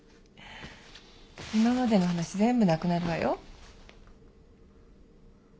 今までの話全部なくなるわよ。